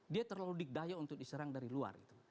dia terlalu dikdaya untuk diserang dari luar gitu